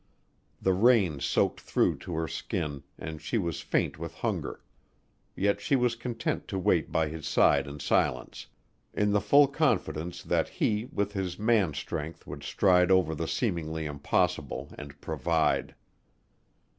The rain soaked through to her skin, and she was faint with hunger; yet she was content to wait by his side in silence, in the full confidence that he with his man strength would stride over the seemingly impossible and provide.